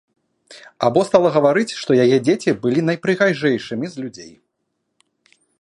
Або стала гаварыць, што яе дзеці былі найпрыгажэйшымі з людзей.